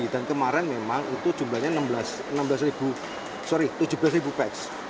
dan kemarin memang itu jumlahnya tujuh belas peks